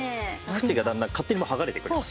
縁がだんだん勝手に剥がれてくる。